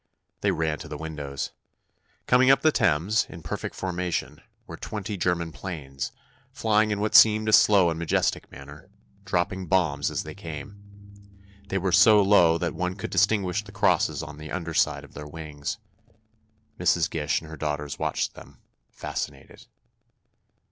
They ran to the windows. Coming up the Thames, in perfect formation, were twenty German planes, flying in what seemed a slow and majestic manner, dropping bombs as they came. They were so low that one could distinguish the crosses on the under side of their wings. Mrs. Gish and her daughters watched them, fascinated.